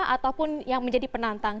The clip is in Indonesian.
ataupun yang menjadi penantang